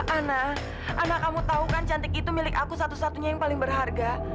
ana anak kamu tahu kan cantik itu milik aku satu satunya yang paling berharga